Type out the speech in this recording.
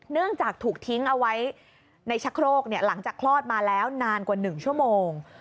จากถูกทิ้งเอาไว้ในชะโครกหลังจากคลอดมาแล้วนานกว่า๑ชั่วโมง